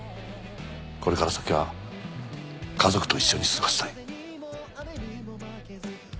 これから先は家族と一緒に過ごしたい。